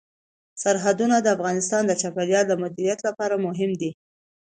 سرحدونه د افغانستان د چاپیریال د مدیریت لپاره مهم دي.